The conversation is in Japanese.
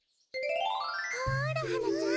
ほらはなちゃん